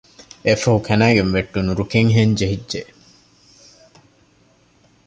އެއަށްފަހު ކަނައިގެން ވެއްޓުނު ރުކެއްހެން ޖެހިއްޖެ